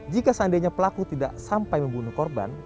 jika seandainya pelaku tidak sampai membunuh korban